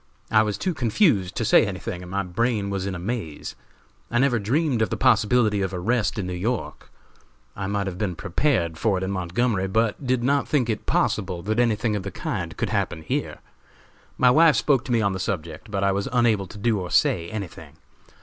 I was too confused to say anything and my brain was in a maze. I never dreamed of the possibility of arrest in New York. I might have been prepared for it in Montgomery, but did not think it possible that anything of the kind could happen here. My wife spoke to me on the subject, but I was unable to do or say anything.